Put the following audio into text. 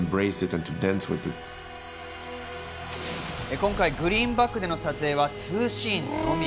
今回グリーンバックでの撮影は２シーンのみ。